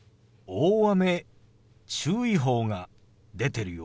大雨注意報が出てるよ。